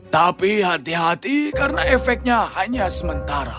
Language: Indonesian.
tapi hati hati karena efeknya hanya sementara